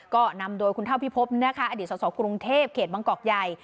ก็นำโดยคุณเท่าพิพบนะคะอดีตสาวกรุงเทพเขตบางกอกใหญ่